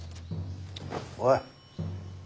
おい。